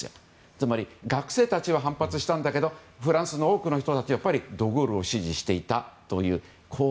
つまり、学生たちは反発したけれどもフランスの多くの人たちはド・ゴールを支持していたと。